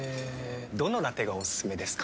どのラテがおすすめですか？